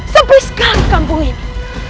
sepiskan kampung ini